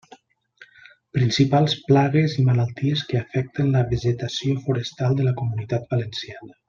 Principals plagues i malalties que afecten la vegetació forestal de la Comunitat Valenciana.